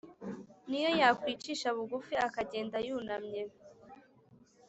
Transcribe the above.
N’iyo yakwicisha bugufi akagenda yunamye,